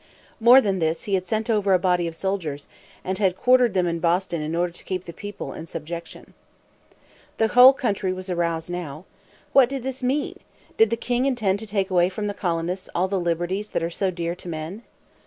More than this, he had sent over a body of soldiers, and had quartered them in Boston in order to keep the people in subjection. The whole country was aroused now. What did this mean? Did the king intend to take away from the colonists all the liberties that are so dear to men?